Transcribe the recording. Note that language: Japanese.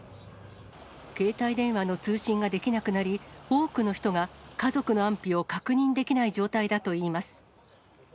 携帯電話の通信ができなくなり、多くの人が家族の安否を確認できない状態だといいます。